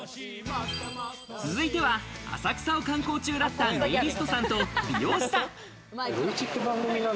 続いては浅草を観光中だった、ネイリストさんと美容師さん。